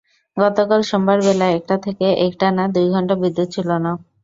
গতকাল সোমবার বেলা একটা থেকে একটানা দুই ঘণ্টা বিদ্যুৎ ছিল না।